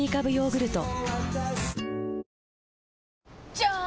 じゃーん！